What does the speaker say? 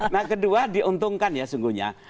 nah kedua diuntungkan ya sungguhnya